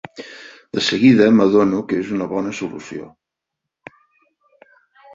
De seguida m'adono que és una bona solució.